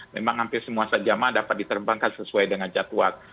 memang hampir semua jemaah dapat diterbangkan sesuai dengan jadwal